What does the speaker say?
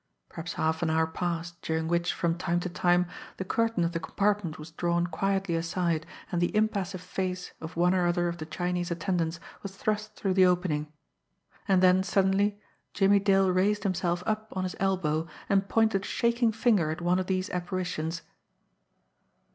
Perhaps half an hour passed, during which, from time to time, the curtain of the compartment was drawn quietly aside and the impassive face of one or other of the Chinese attendants was thrust through the opening and then suddenly Jimmie Dale raised himself up on his elbow, and pointed a shaking finger at one of these apparitions.